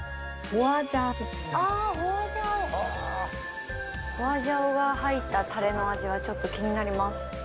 ホワジャオが入ったタレの味はちょっと気になります。